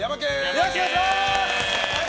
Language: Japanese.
よろしくお願いします！